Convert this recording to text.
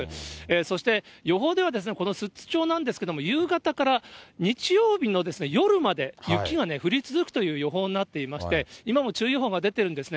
そして予報では、この寿都町なんですけども、夕方から日曜日の夜まで雪がね、降り続くという予報になっていまして、今も注意報が出てるんですね。